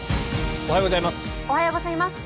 おはようございます。